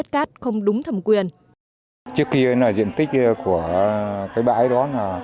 của cái bãi đó